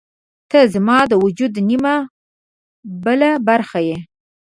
• ته زما د وجود نیمه بله برخه یې.